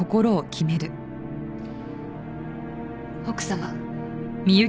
奥様。